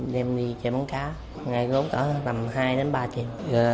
đem đi chạy bắn cá ngày góp tầm hai đến ba tiền